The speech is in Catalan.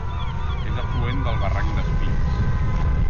És afluent del barranc d'Espills.